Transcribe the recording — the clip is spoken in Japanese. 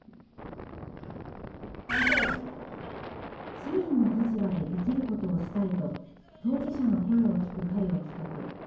市民の立場でできることをしたいと当事者の声を聞く会を企画。